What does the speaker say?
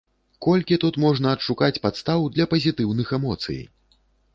Колькі тут можна адшукаць падстаў для пазітыўных эмоцый!